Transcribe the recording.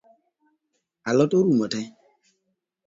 A lot orumo tee?